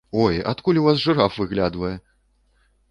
Ой, адкуль у вас жыраф выглядвае!